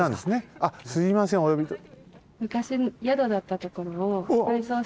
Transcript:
あっすいませんおよびとめ。